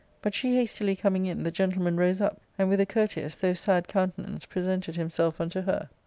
But she hastily coming in, the gentleman rose up, and, with a courteous, though sad countenance, pre sented himself unto her.